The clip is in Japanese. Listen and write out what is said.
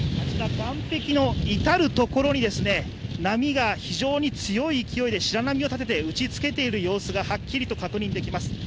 岸壁の至る所に、波が非常に強い勢いで白波を立てて打ち付けている様子がはっきりと確認できます。